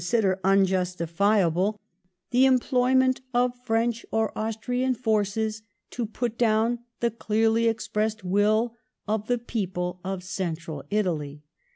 ooDBider unjustifiable the '* employment of French or Austrian foroes to put down the clearly expressed will of the people of Central Italy."